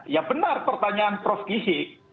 ya benar pertanyaan prof gisi